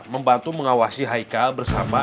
membantu mengawasi haikal bersama